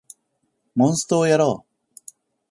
モンストをやろう